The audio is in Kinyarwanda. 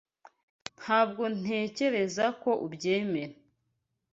Ntabwo ntekereza ko ubyemera.